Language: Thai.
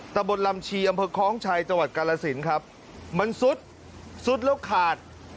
ตะบนลำชีอำเภอคล้องชัยจังหวัดกาลสินครับมันซุดซุดแล้วขาด